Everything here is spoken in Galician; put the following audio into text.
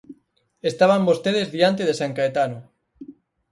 Estaban vostedes diante de San Caetano.